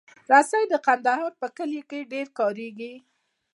رسۍ د کندهار په کلیو کې ډېره کارېږي.